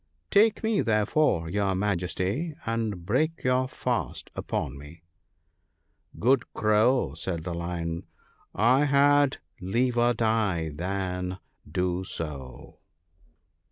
Take me, therefore, your Majesty, and break your fast upon me." " Good Crow," said the Lion, " I had liever die than do so."